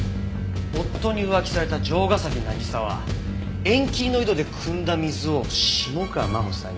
夫に浮気された城ヶ崎渚は縁切りの井戸でくんだ水を下川真帆さんに飲ませたんだ。